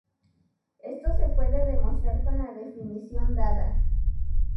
Esto se puede demostrar con la definición dada.